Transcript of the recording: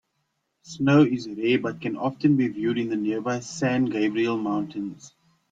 Snow is rare but can often be viewed in the nearby San Gabriel Mountains.